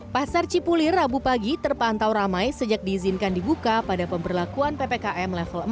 pasar cipulir rabu pagi terpantau ramai sejak diizinkan dibuka pada pemberlakuan ppkm level empat